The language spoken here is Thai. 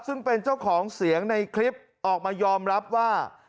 ซึ่งเป็นเจ้าของเสียงในคลิปออกมายอมรับว่า